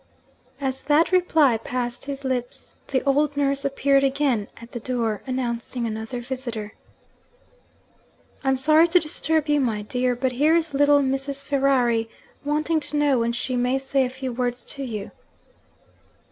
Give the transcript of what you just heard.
As that reply passed his lips, the old nurse appeared again at the door, announcing another visitor. 'I'm sorry to disturb you, my dear. But here is little Mrs. Ferrari wanting to know when she may say a few words to you.'